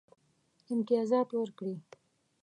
امتیازات ورکړي.